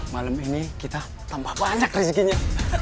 malam ini kita tambah banyak rezekinya